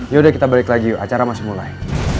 yaudah kita balik lagi acara masih mulai